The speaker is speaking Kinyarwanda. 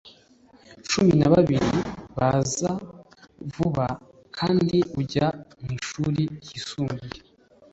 cumi na babiri baza vuba, kandi ujya mwishuri ryisumbuye